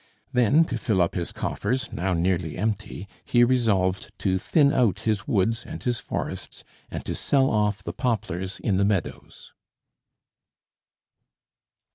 Then, to fill up his coffers, now nearly empty, he resolved to thin out his woods and his forests, and to sell off the poplars in the meadows.